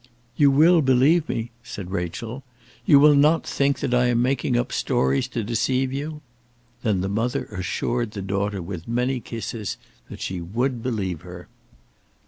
"You will believe me?" said Rachel. "You will not think that I am making up stories to deceive you?" Then the mother assured the daughter with many kisses that she would believe her.